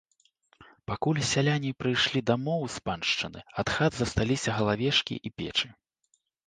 Пакуль сяляне прыйшлі дамоў з паншчыны, ад хат засталіся галавешкі і печы.